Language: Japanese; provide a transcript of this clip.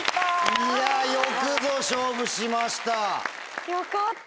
よくぞ勝負しました。